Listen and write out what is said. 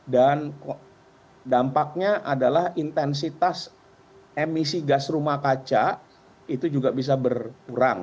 dan dampaknya adalah intensitas emisi gas rumah kaca itu juga bisa berkurang